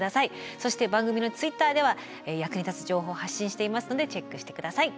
そして番組のＴｗｉｔｔｅｒでは役に立つ情報を発信していますのでチェックして下さい。